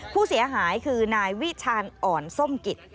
ผู้เสียหายคือนายวิชาญอ่อนส้มกิจ